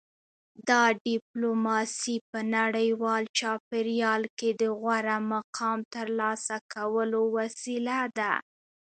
دا ډیپلوماسي په نړیوال چاپیریال کې د غوره مقام ترلاسه کولو وسیله ده